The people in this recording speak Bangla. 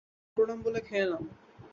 প্রণাম বলে খেয়ে নাও।